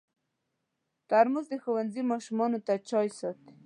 ترموز د ښوونځي ماشومانو ته چای ساتي.